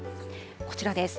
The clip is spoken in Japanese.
こちらです。